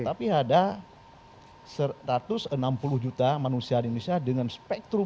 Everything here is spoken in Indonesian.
tapi ada satu ratus enam puluh juta manusia di indonesia dengan spektrum